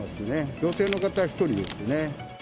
女性の方１人ですね。